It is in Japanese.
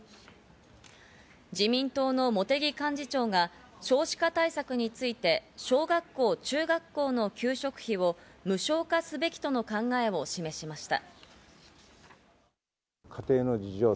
自民党の茂木幹事長が少子化対策について、小学校、中学校の給食費を無償化すべきとの考えを示しました。